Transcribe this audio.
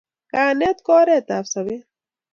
Kayanet ko oret ab sobet